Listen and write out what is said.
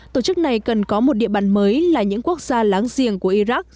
tổ chức này cần có một địa bàn mới là những quốc gia láng giềng của iraq